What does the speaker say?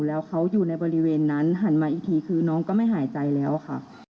แล้วเขาอยู่ในบริเวณนั้นหันมาอีกทีคือน้องก็ไม่หายใจแล้วค่ะ